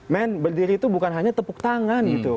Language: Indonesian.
men berdiri itu bukan hanya tepuk tangan gitu